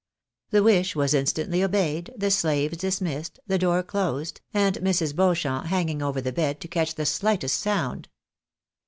The wish was instantly obeyed, the slaves dismissed, the door closed, and Mrs. Beauchamp hanging over the bed to catch the shghtest sound.